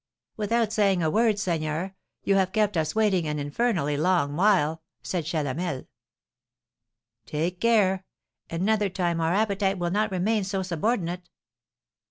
"Without saying a word, seigneur, you have kept us waiting an infernally long while," said Chalamel. "Take care! Another time our appetite will not remain so subordinate."